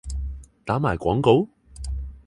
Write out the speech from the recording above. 打埋廣告？